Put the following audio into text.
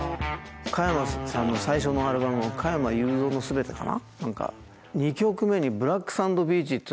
加山さんの最初のアルバム「加山雄三のすべて」かな。